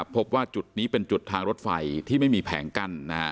พบว่าจุดนี้เป็นจุดทางรถไฟที่ไม่มีแผงกั้น